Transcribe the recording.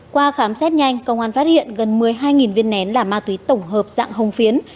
qua khám xét nhanh công an phát hiện gần một mươi hai viên nén là ma túy tổng hợp dạng hồng phiến